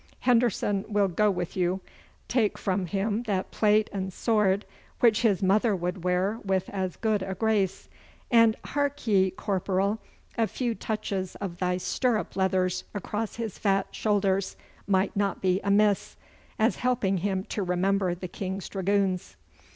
Henderson will go with you. Take from him that plate and sword, which his mother would wear with as good a grace. And hark ye, corporal, a few touches of thy stirrup leathers across his fat shoulders might not be amiss, as helping him to remember the King's dragoons.